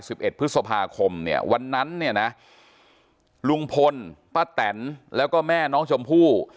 เอ็ดพฤษภาคมเนี่ยวันนั้นเนี่ยนะลุงพลป้าแตนแล้วก็แม่น้องชมพู่